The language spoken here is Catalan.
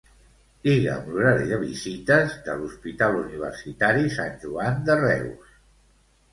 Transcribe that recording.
Digue'm l'horari de visites de l'Hospital Universitari Sant Joan de Reus.